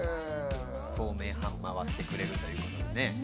東名阪を回ってくれるということです。